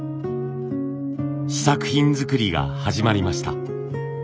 試作品作りが始まりました。